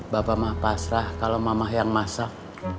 bapak mah pasrah kalau mamah yang masak